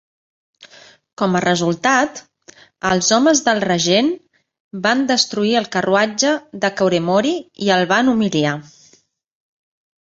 Com a resultat, els homes del regent van destruir el carruatge de Koremori i el van humiliar.